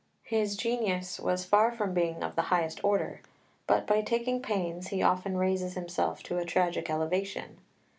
His genius was far from being of the highest order, but by taking pains he often raises himself to a tragic elevation.